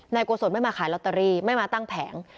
โกศลไม่มาขายลอตเตอรี่ไม่มาตั้งแผง